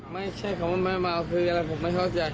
ไม่ใช่คำว่าไม่เมาคืออะไรผมไม่เข้าใจ